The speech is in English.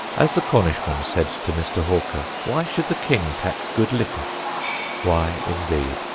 As the Cornishman said to Mr. Hawker, "Why should the King tax good liquor?" Why, indeed?